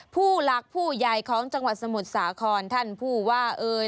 ผู้หลักผู้ใหญ่ของจังหวัดสมุทรสาครท่านผู้ว่าเอ่ย